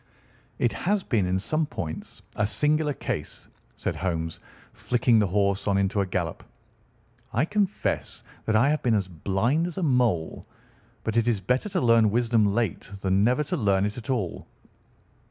"It has been in some points a singular case," said Holmes, flicking the horse on into a gallop. "I confess that I have been as blind as a mole, but it is better to learn wisdom late than never to learn it at all."